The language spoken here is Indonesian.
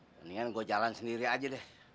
mendingan gue jalan sendiri aja deh